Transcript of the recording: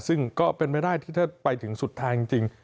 ซึ่งก็เป็นไม่ได้ที่ถ้าไปถึงสุดทางจริง